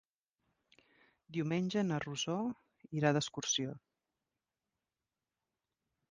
Diumenge na Rosó irà d'excursió.